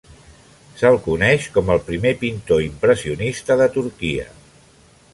Se'l coneix com el primer pintor impressionista de Turquia.